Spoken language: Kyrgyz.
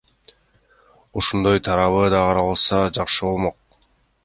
Ушундай тарабы да каралса, жакшы болмок.